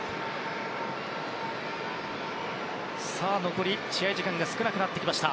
残り試合時間が少なくなってきました。